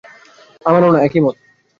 আমারও না একই মত!